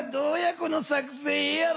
この作戦ええやろ。